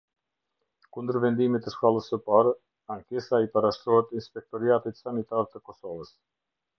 Kundër vendimit të shkallës së parë, ankesa i parashtrohet Inspektoriatit Sanitar të Kosovës.